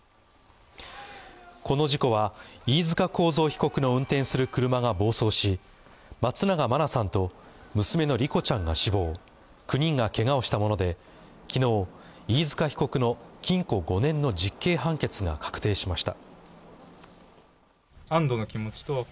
この事故は飯塚幸三被告の運転する車が暴走し松永真菜さんと娘の莉子ちゃんが死亡９人がけがをしたもので昨日、飯塚被告の禁錮５年の実刑判決が確定しました。